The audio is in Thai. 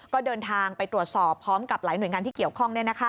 ก็เดินทางไปตรวจสอบพร้อมกับหลายหน่วยงานที่เกี่ยวข้อง